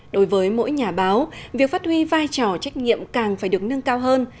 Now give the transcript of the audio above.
đối với mỗi nhà báo việc phát huy vai trò trách nhiệm càng phải được nâng cao hơn